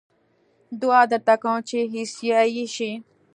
دعا درته کووم چې عيسائي شې